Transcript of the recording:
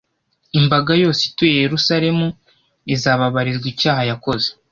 imbaga yose ituye Yeruzalemu izababarirwa icyaha yakoze.